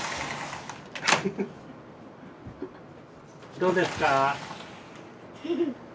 どうですか？